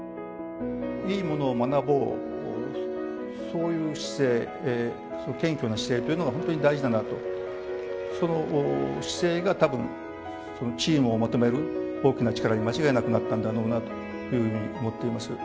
いいものを学ぼう、そういう姿勢、その謙虚な姿勢というのが本当に大事なんだなと、その姿勢が、たぶんチームをまとめる大きな力に間違いなくなったのだろうなというふうに思っています。